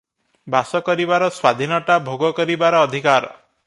ବାସ କରିବାର ସ୍ୱାଧୀନତା ଭୋଗ କରିବାର ଅଧିକାର ।